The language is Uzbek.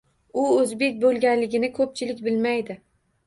U oʻzbek boʻlganligini koʻpchilik bilmaydi.